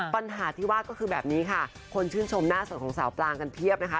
ปัญหาที่ว่าก็คือแบบนี้ค่ะคนชื่นชมหน้าสดของสาวปลางกันเพียบนะคะ